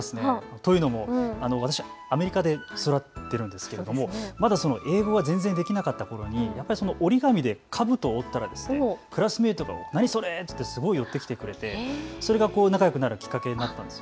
というのも私、アメリカで育っているんですけれど、まだ英語が全然できなかったころ、折り紙でかぶとを折ったらクラスメートが何それってすごい寄ってきてくれて、それが仲よくなれるきっかけになったんです。